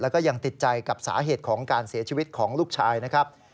แล้วก็ยังติดใจกับสาเหตุของการเสียชีวิตของลูกชายนะครับ